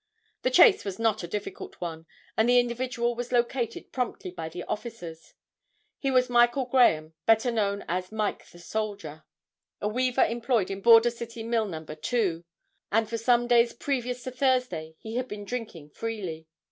The chase was not a difficult one, and the individual was located promptly by the officers. He was Michael Graham, better known as "Mike, the Soldier," a weaver employed in Border City Mill No. 2, and for some days previous to Thursday he had been drinking freely.